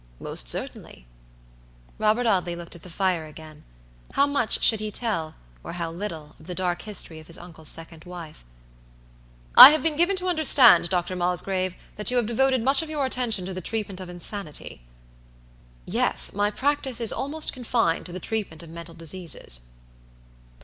"Most certainly." Robert Audley looked at the fire again. How much should he tell, or how little, of the dark history of his uncle's second wife? "I have been given to understand, Dr. Mosgrave, that you have devoted much of your attention to the treatment of insanity." "Yes, my practice is almost confined to the treatment of mental diseases."